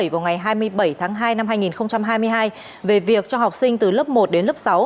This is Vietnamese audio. vào ngày hai mươi bảy tháng hai năm hai nghìn hai mươi hai về việc cho học sinh từ lớp một đến lớp sáu